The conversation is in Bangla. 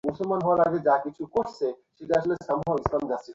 ট্রেন কাছে আসার পরেও দৌড়ে ক্রসিং পার হতে দেখা গেছে অনেককে।